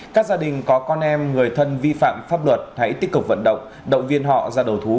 các gia đình có con em người thân vi phạm pháp luật hãy tích cực vận động động viên họ ra đầu thú